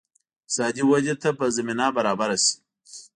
اقتصادي ودې ته به زمینه برابره شي.